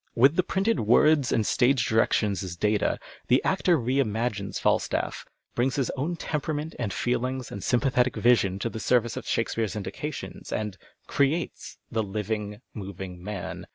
With the printed words and stage directions as data, the actor re imagines Falstaff, brings his own temperament and fci hngs and sympathetic vision to the service of Sliake speare's indications, and " creates " the living, moving man.